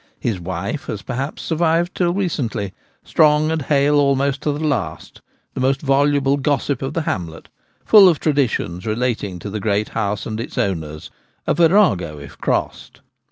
His wife has perhaps survived till recently — strong and hale almost to the last ; the most voluble gossip of the hamlet, full of traditions relating to the great house and its owners ; a virago if crossed.